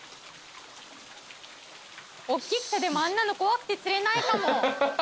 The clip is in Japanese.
おっきくてでもあんなの怖くて釣れないかも。